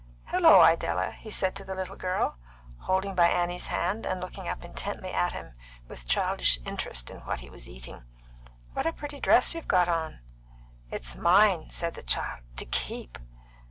"Hello, Idella!" he said to the little girl, holding by Annie's hand and looking up intently at him, with childish interest in what he was eating. "What a pretty dress you've got on!" "It's mine," said the child. "To keep."